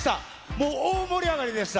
もう大盛り上がりでした。